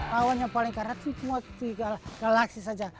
lawan yang paling keras itu semua tiga galaksi saja